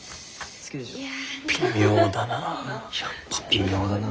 微妙だな。